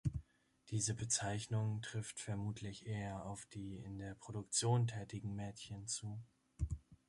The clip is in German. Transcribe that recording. Diese Bezeichnung trifft vermutlich eher auf die in der Produktion tätigen Mädchen zu.